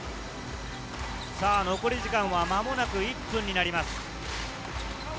残り時間は間もなく１分になります。